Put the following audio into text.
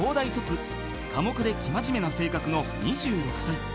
［寡黙で生真面目な性格の２６歳］